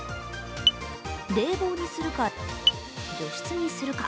冷房にするか除湿にするか。